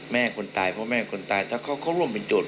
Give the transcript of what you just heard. แม่คนตายพ่อแม่คนตายถ้าเขาเข้าร่วมเป็นโจทย์